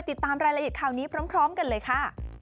ติดตามรายละเอียดข่าวนี้พร้อมกันเลยค่ะ